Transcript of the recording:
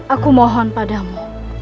aku mohon padamu